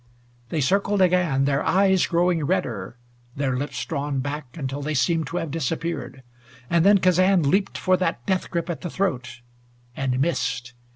They circled again, their eyes growing redder, their lips drawn back until they seemed to have disappeared. And then Kazan leaped for that death grip at the throat and missed.